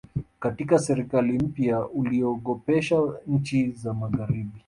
katika serikali mpya uliogopesha nchi za magharibi